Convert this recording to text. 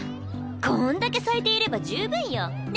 こんだけ咲いていれば十分よ。ね？